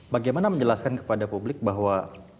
bagaimana menjelaskan kepada publik bahwa